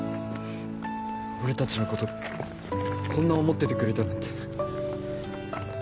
俺たちの事こんな思っててくれたなんて。